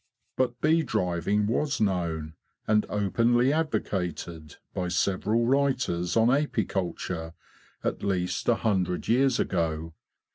But bee driving was known, and openly advocated, by several writers on apiculture at least a hundred years ago.